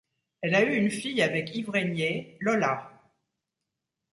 Elle a eu une fille avec Yves Rénier: Lola.